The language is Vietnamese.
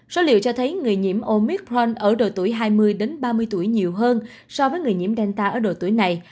số liệu cho thấy người nhiễm omicron ở độ tuổi hai mươi ba mươi tuổi nhiều hơn so với người nhiễm delta ở độ tuổi này